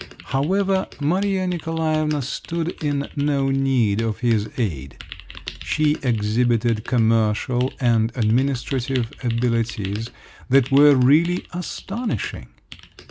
However, Maria Nikolaevna stood in no need of his aid. She exhibited commercial and administrative abilities that were really astonishing!